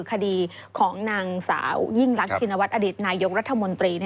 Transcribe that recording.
คดีของนางสาวยิ่งรักชินวัฒนอดีตนายกรัฐมนตรี